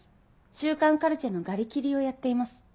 週刊カルチェのガリ切りをやっています。